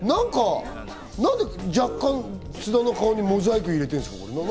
何で若干、津田の顔にモザイク入れてるんですか？